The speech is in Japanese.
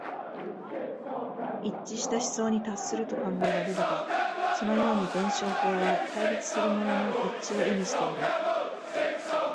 一致した思想に達すると考えられるが、そのように弁証法は対立するものの一致を意味している。